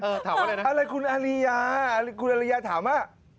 ถามว่าอะไรนะอะไรคุณอาริยาคุณอริยาถามว่า